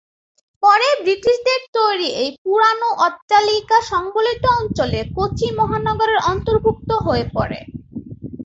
পরে ব্রিটিশদের তৈরি এই পুরোনো অট্টালিকা সংবলিত অঞ্চল কোচি মহানগরের অন্তর্ভুক্ত হয়ে পড়ে।